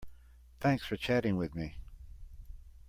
Thanks for chatting with me.